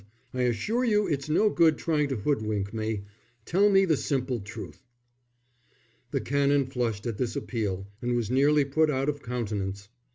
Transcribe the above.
I assure you it's no good trying to hoodwink me. Tell me the simple truth." The Canon flushed at this appeal and was nearly put out of countenance.